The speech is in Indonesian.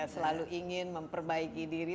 selalu ingin memperbaiki diri